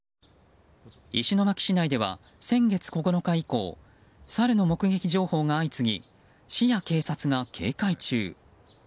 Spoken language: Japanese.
石巻市内では先月９日以降サルの目撃情報が相次ぎ市や警察が警戒中。